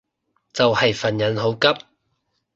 就係份人好急